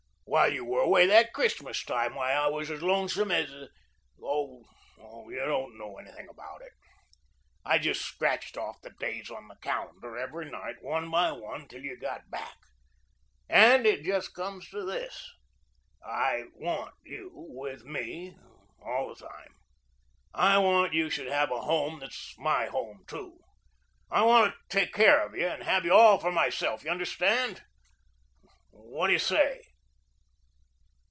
While you were away that Christmas time, why, I was as lonesome as oh, you don't know anything about it. I just scratched off the days on the calendar every night, one by one, till you got back. And it just comes to this, I want you with me all the time. I want you should have a home that's my home, too. I want to take care of you, and have you all for myself, you understand. What do you say?"